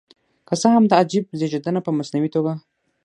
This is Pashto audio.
که څه هم دا عجیب زېږېدنه په مصنوعي توګه.